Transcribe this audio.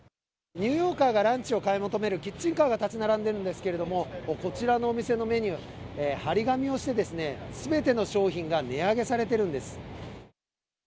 ニューヨーカーがランチを買い求めるキッチンカーが立ち並んでるんですけど、こちらのお店のメニュー、貼り紙をして、すべての商品が値上げされているんです。